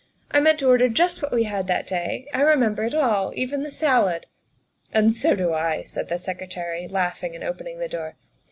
I mean to order just what we had that day; I remember it all even the salad." "And so do I," said the Secretary, laughing and opening the door.